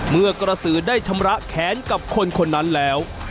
เมื่อกระสือได้ชำระแขนกับคนคนนั้นแล้ว